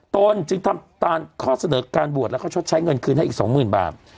ตนจึงทำตามข้อเสนอการบวชแล้วก็ชดใช้เงินคืนให้อีก๒๐๐๐บาท